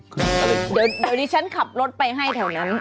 เดี๋ยวดิฉันขับรถไปให้แถวนั้น